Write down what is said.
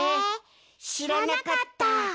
しらなかった！